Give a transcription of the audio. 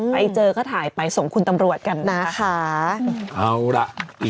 ไปเจอเอาก็ถ่ายไปส่งคุณต่ำรวจกันนะคะ